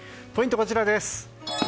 ポイントはこちらです。